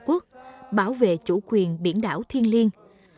quốc bảo vệ chủ quyền biển đảo thiên liên